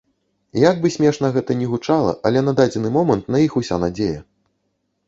Як бы смешна гэта не гучала, але на дадзены момант на іх уся надзея.